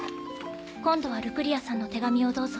今度はルクリアさんの手紙をどうぞ。